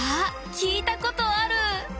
聞いたことある。